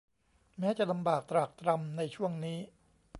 แม้จะลำบากตรากตรำในช่วงนี้